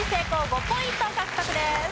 ５ポイント獲得です。